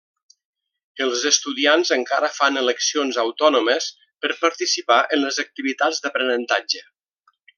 Els estudiants encara fan eleccions autònomes per participar en les activitats d'aprenentatge.